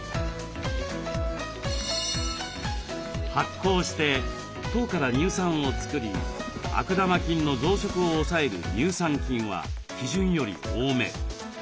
発酵して糖から乳酸を作り悪玉菌の増殖を抑える乳酸菌は基準より多め。